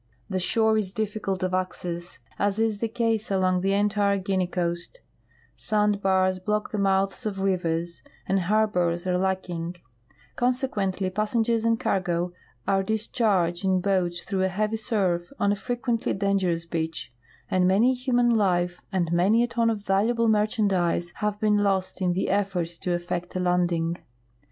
The shore is difficult of access, as is the case along the entire Guinea coast ; sand bars block the mouths of rivers, and har bors are lacking ; consequently passengers and cargo are dis charged in boats through a heav}^ surf on a frequently dangerous beach, and many a human life and manj^a ton of valuable mer chandise have been lost in the effort to effect a landing.